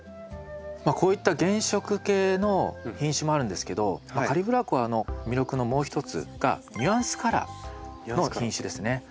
こういった原色系の品種もあるんですけどカリブラコアの魅力のもう一つがニュアンスカラーの品種ですね。